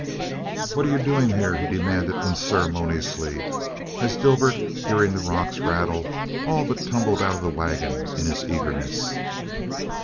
"What you doin' here?" he demanded unceremoniously, as Dibert, hearing the rocks rattle, all but tumbled out of the wagon in his eagerness.